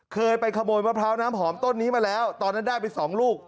เคยไปขโมยมะพร้าวน้ำหอมต้นนี้มาแล้วตอนนั้นได้ไปสองลูก